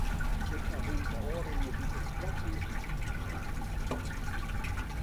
Ik ha him de ôfrûne wike twa kear sjoen.